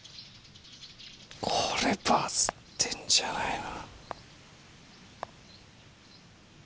これバズってんじゃないの？